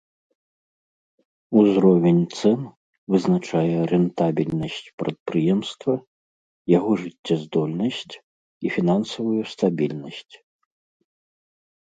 Узровень цэн вызначае рэнтабельнасць прадпрыемства, яго жыццяздольнасць і фінансавую стабільнасць.